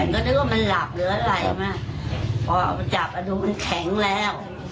ก็นึกว่ามันหลับหรืออะไรปะตอก็ดูมันแข็งแล้ว